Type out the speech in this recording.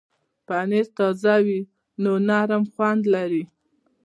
پنېر تازه وي نو نرم خوند لري.